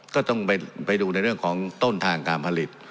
ก็ต้องไปดูในเรื่องของต้นทางการผลิต